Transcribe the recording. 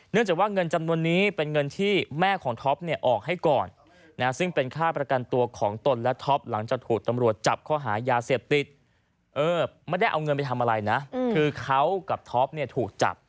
เออไม่ได้เอาเงินไปทำอะไรนะอืมคือเขากับท็อปเนี่ยถูกจับ